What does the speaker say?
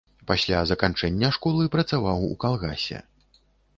Пасля заканчэння школы працаваў у калгасе.